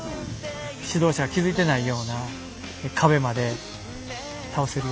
指導者が気付いてないような壁まで倒せるような。